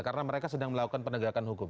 karena mereka sedang melakukan penegakan hukum